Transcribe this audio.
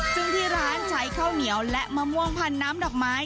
ซึ่งที่ร้านใช้ข้าวเหนียวและมะม่วงพันน้ำดอกไม้